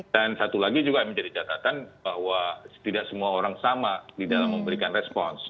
satu lagi juga menjadi catatan bahwa tidak semua orang sama di dalam memberikan respons